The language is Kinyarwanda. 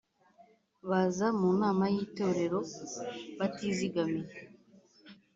baza mu nama y’itorero batizigamye